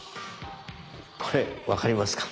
これ分かりますか？